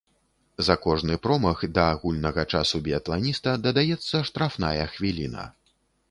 За кожны промах да агульнага часу біятланіста дадаецца штрафная хвіліна.